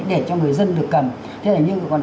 để cho người dân được cầm thế này nhưng còn